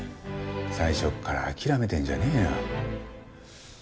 最初から諦めてんじゃねえよ。